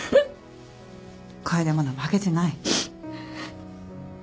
楓はまだ負けてない。